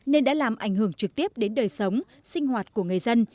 nên đã làm ảnh hưởng trực tiếp đến đời sống sinh hoạt của người dân